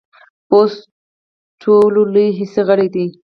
پوست ټولو لوی حسي غړی دی.